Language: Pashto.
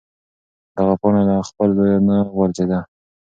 دغه پاڼه له خپل ځایه نه غورځېده.